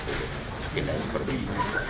agendanya seperti ini